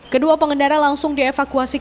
kedua pengendara langsung dievakuasi ke rumah sakit